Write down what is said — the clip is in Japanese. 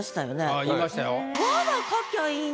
はい。